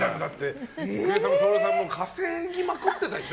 郁恵さんも徹さんも稼ぎまくってたでしょ？